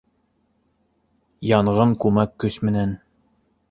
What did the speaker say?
Янғын күмәк көс менән